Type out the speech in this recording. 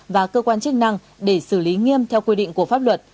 và cơ quan chức năng để xử lý nghiêm theo quy định của pháp luật